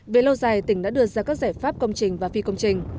về lâu dài tỉnh đã đưa ra các giải pháp công trình và phi công trình